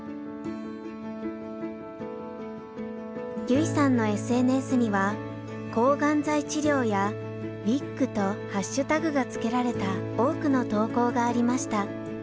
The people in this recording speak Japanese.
優生さんのＳＮＳには「抗がん剤治療」や「ウィッグ」とハッシュタグがつけられた多くの投稿がありました。